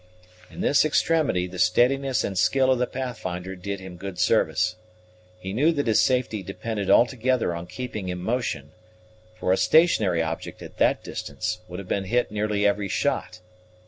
In this extremity the steadiness and skill of the Pathfinder did him good service. He knew that his safety depended altogether on keeping in motion; for a stationary object at that distance, would have been hit nearly every shot.